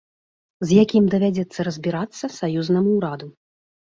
З якім давядзецца разбірацца саюзнаму ўраду.